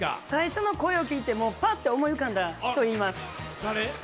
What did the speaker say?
最初の声を聞いてパッて思い浮かんだ人いいます。